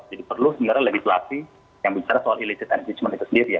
jadi perlu sebenarnya legislasi yang bicara soal illicit engagement itu sendiri ya